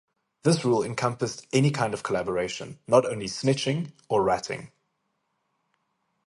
This rule encompassed any kind of collaboration, not only "snitching" or "ratting.